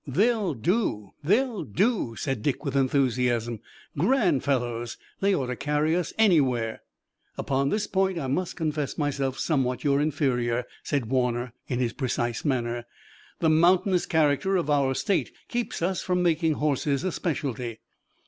"They'll do! They'll do!" said Dick with enthusiasm. "Grand fellows! They ought to carry us anywhere!" "Upon this point I must confess myself somewhat your inferior," said Warner in his precise manner. "The mountainous character of our state keeps us from making horses a specialty.